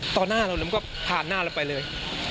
ตอนหน้าเรามันก็ผ่านหน้าเราไปเลย